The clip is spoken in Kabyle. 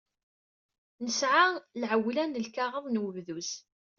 Nesɛa lɛewla n lkaɣeḍ n webduz.